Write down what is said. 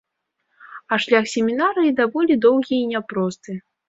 А шлях семінарыі даволі доўгі і няпросты.